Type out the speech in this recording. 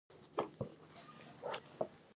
کېدلای سوای یو ناڅاپي اقدام وکړي.